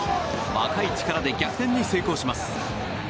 若い力で逆転に成功します。